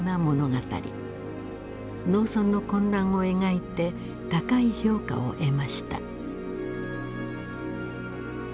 農村の混乱を描いて高い評価を得ました。